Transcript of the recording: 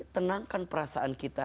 tenangkan perasaan kita